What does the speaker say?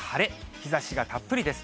日ざしがたっぷりです。